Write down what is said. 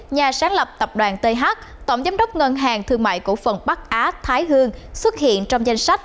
nhà sáng lập tập đoàn th tổng giám đốc ngân hàng thương mại cổ phần bắc á thái hương xuất hiện trong danh sách